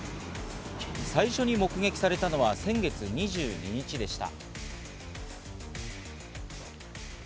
最初に目撃されたのは先月２２日でした。